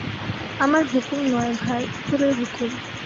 আমার হুকুম নয় ভাই, উপরের হুকুম।